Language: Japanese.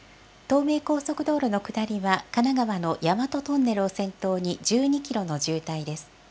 東名高速道路の下りは神奈川の大和トンネルを先頭に１２キロの渋滞です。